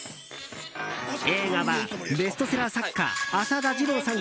映画は、ベストセラー作家浅田次郎さん